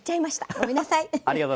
ごめんなさい。